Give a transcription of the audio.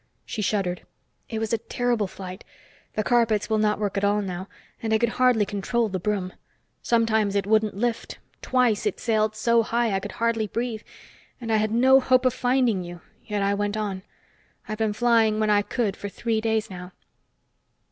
She shuddered. "It was a terrible flight. The carpets will not work at all now, and I could hardly control the broom. Sometimes it wouldn't lift. Twice it sailed so high I could hardly breathe. And I had no hope of finding you, yet I went on. I've been flying when I could for three days now."